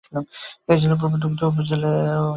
এই জেলা পূর্বে দুগ্ধ উৎপাদনে রাজ্যের প্রথম স্থান ছিল।